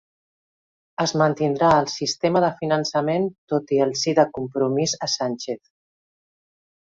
Es mantindrà el sistema de finançament tot i el sí de Compromís a Sánchez